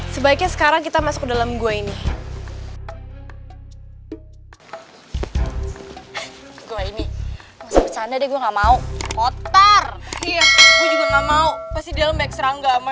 sebaiknya sekarang kita masuk dalam gua ini gua ini gue nggak mau kotor